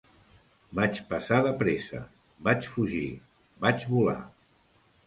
Vaig passar de pressa, vaig fugir, vaig volar.